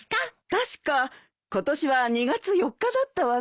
確か今年は２月４日だったわねえ。